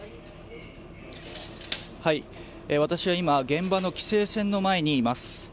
私は今、現場の規制線の前にいます。